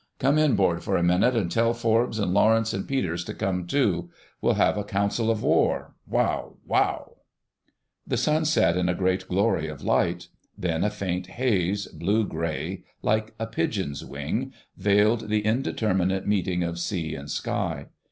Come inboard for a minute, and tell Forbes and Lawrence and Peters to come too. We'll have a Council of War—Wow, wow!" The sun set in a great glory of light; then a faint haze, blue grey, like a pigeon's wing, veiled the indeterminate meeting of sea and sky.